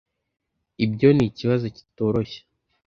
Ibyo nikibazo kitoroshye.